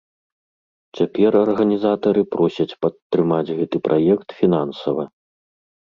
Цяпер арганізатары просяць падтрымаць гэты праект фінансава.